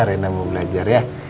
renang mau belajar ya